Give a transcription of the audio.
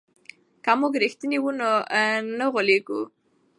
که موږ رښتیني وو نو نه غولېږو.